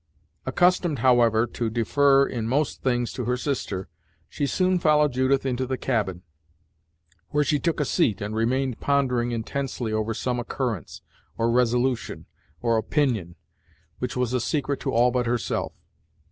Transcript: Accustomed, however, to defer in most things to her sister, she soon followed Judith into the cabin, where she took a seat and remained pondering intensely over some occurrence, or resolution, or opinion which was a secret to all but herself.